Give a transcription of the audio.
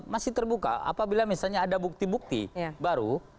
masih terbuka apabila misalnya ada bukti bukti baru